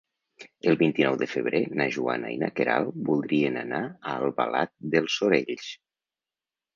El vint-i-nou de febrer na Joana i na Queralt voldrien anar a Albalat dels Sorells.